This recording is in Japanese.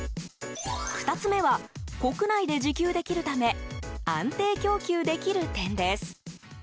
２つ目は、国内で自給できるため安定供給できる点です。